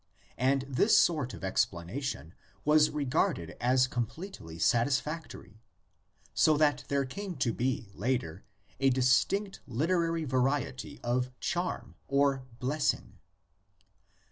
And this sort of explanation was regarded as com pletely satisfactory, so that there came to be later a distinct literary variety of "charm" or '"bless ing."